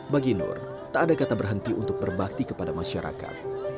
bagi nur tak ada kata berhenti untuk berbakti kepada masyarakat